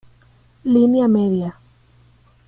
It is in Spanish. Línea media.